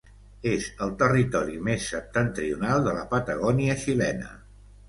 És el territori més septentrional de la Patagònia xilena.